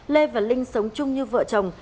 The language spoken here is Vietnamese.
lê và linh sống chung như vợ chồng